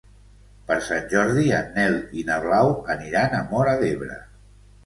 Per Sant Jordi en Nel i na Blau aniran a Móra d'Ebre.